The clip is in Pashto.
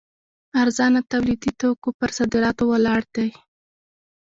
ارزانه تولیدي توکو پر صادراتو ولاړ دی.